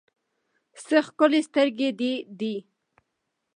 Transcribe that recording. څه ښکلي سترګې دې دي